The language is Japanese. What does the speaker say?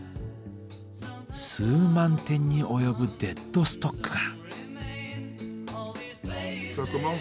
数万点に及ぶデッドストックが。